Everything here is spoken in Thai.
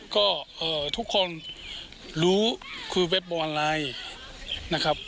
ก็ทุกคนรู้คือเบสเบาออนไลน์นะครับ